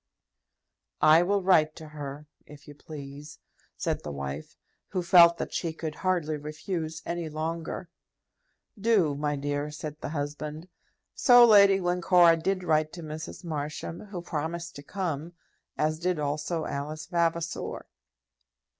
"I will write to her, if you please," said the wife, who felt that she could hardly refuse any longer. "Do, my dear!" said the husband. So Lady Glencora did write to Mrs. Marsham, who promised to come, as did also Alice Vavasor.